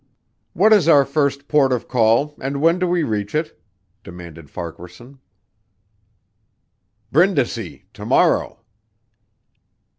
"What is our first port of call, and when do we reach it?" demanded Farquaharson. "Brindisi. To morrow."